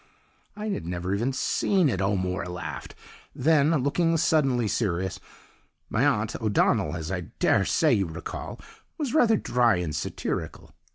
"I had never even seen it!" O'Moore laughed then, looking suddenly serious: "My aunt, O'Donnell, as I daresay you recollect, was rather dry and satirical.